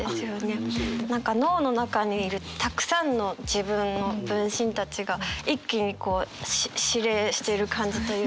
何か脳の中にいるたくさんの自分の分身たちが一気にこう指令している感じというか。